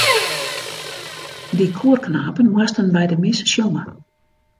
Dy koarknapen moasten by de mis sjonge.